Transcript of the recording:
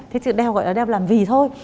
thế chứ đeo gọi là đeo làm vì thôi